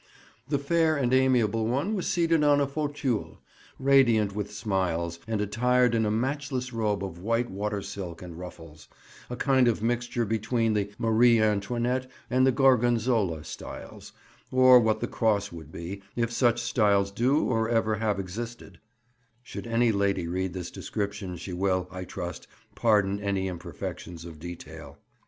The fair and amiable one was seated on a fauteuil, radiant with smiles, and attired in a matchless robe of white water silk and ruffles—a kind of mixture between the "Marie Antoinette" and the "Gorgonzola" styles, or what the cross would be, if such styles do or ever have existed—(should any lady read this description she will, I trust, pardon any imperfections of detail.)